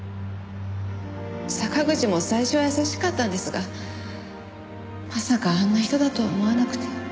坂口も最初は優しかったんですがまさかあんな人だと思わなくて。